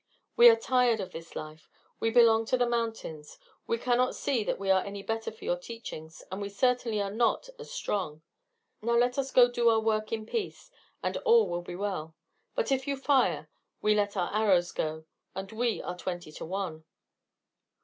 We are tired of this life. We belong to the mountains. We cannot see that we are any better for your teachings, and we certainly are not as strong. Now let us do our work in peace, and all will be well. But if you fire, we let our arrows go, and we are twenty to one."